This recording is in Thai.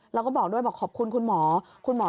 แล้วก็บอกด้วยบอกขอบคุณคุณหมอ